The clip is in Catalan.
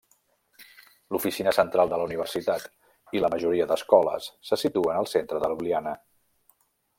L'oficina central de la universitat i la majoria d'escoles se situen al centre de Ljubljana.